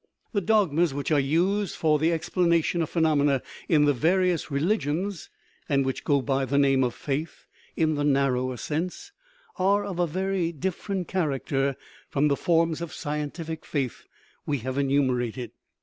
The dogmas which are used for the explanation of phenomena in the various religions, and which go by the name of "faith" (in the narrower sense), are of a very different character from the forms of scientific faith we have enumerated.